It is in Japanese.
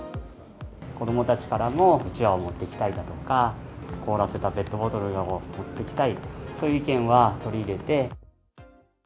子どもたちからもうちわを持ってきたいだとか、凍らせたペットボトルを持ってきたいという意見は取り入れて。